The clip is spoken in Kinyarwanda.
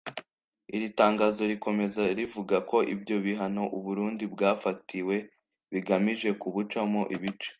Iri tangazo rikomeza rivuga ko ibyo bihano u Burundi bwafatiwe bigamije kubucamo ibice